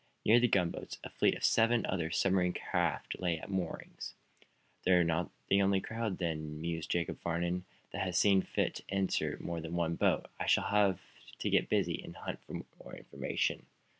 Near the gunboats a fleet of seven other submarine craft lay at moorings. "We're not the only crowd, then," mused Jacob Farnum, "that has seen fit to enter more than one boat. I shall have to get busy in the hunt for information."